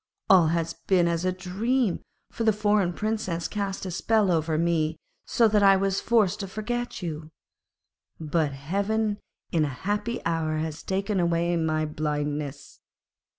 All has been as a dream, for the foreign Princess cast a spell over me so that I was forced to forget you; but heaven in a happy hour has taken away my blindness.'